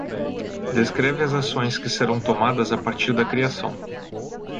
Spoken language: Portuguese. descreve as ações que serão tomadas a partir da criação